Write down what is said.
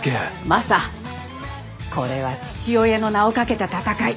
マサこれは父親の名をかけた戦い。